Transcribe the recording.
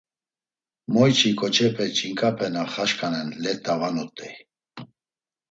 Moyçi ǩoçepe, ç̌inǩape na xaşǩanen let̆a va nut̆ey.